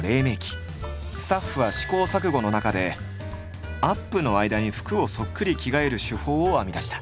スタッフは試行錯誤の中でアップの間に服をそっくり着替える手法を編み出した。